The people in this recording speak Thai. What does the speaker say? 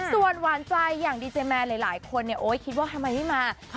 ส่วนหวานใจอย่างดีเจแมนหลายคนเนี่ยโอ๊ยคิดว่าทำไมไม่มา